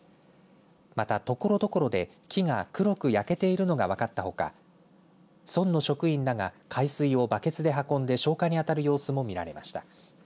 またところどころで木が黒く焼けているのがわかったほか村の職員らが海水をバケツで運んで消火に当たる様子も見られました。